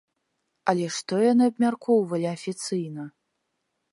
Але што яны абмяркоўвалі афіцыйна?